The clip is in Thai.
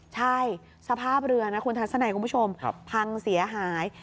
ใช่สภาพเรือนะคุณทัศนัยคุณผู้ชมพังเสียหาย